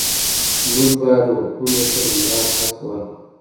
موږ باید و خویندو ته د میراث حق ورکړو